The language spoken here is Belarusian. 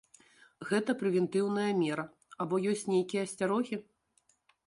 Гэта прэвентыўная мера, або ёсць нейкія асцярогі?